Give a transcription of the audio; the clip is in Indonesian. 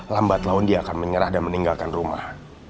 lambatlah dia akan menyerah dan meninggalkan rumah